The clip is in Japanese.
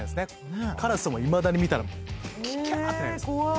カラスもいまだに見たらキャ！ってなります。